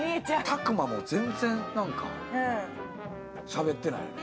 たくまも全然なんかしゃべってないよね。